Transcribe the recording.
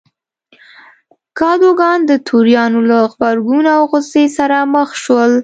کادوګان د توریانو له غبرګون او غوسې سره مخ شو.